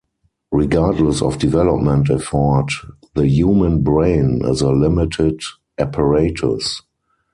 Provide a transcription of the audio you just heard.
Regardless of development effort, the human brain is a limited apparatus.